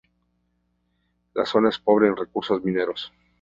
La zona es pobre en recursos mineros.